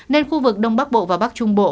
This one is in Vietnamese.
nên khu vực đông bắc bộ và bắc trung bộ